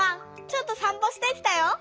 ちょっとさんぽしてきたよ。